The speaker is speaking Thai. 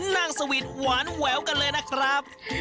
นั่งสวีทหวานแหววกันเลยนะครับ